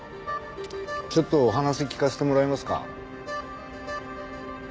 ちょっとお話聞かせてもらえますか？